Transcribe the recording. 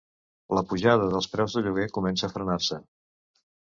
La pujada dels preus de lloguer comença a frenar-se